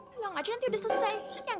bilang aja nanti udah selesai ya gak